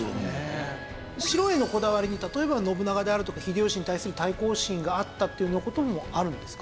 白へのこだわりに例えば信長であるとか秀吉に対する対抗心があったっていうような事もあるんですか？